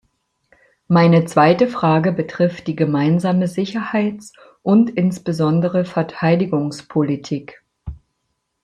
Meine zweite Frage betrifft die gemeinsame Sicherheits- und insbesondere Verteidigungspolitik.